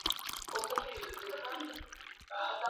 Twende pamoya apana kubakia